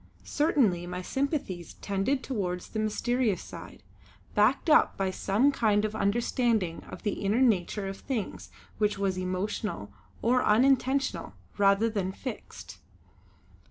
Certainly my sympathies tended towards the mysterious side, backed up by some kind of understanding of the inner nature of things which was emotional or unintentional rather than fixed.